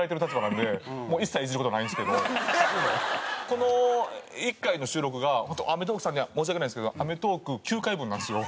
この１回の収録が本当『アメトーーク』さんには申し訳ないんですけど『アメトーーク』９回分なんですよ。